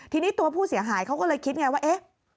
ทีนี้ตัวผู้เสียหายเขาก็เลยคิดไงว่าเอ๊ะ